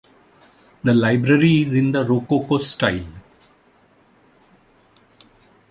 The Library is in the Rococo-style.